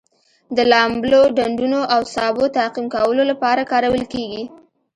د لامبلو ډنډونو او سابو تعقیم کولو لپاره کارول کیږي.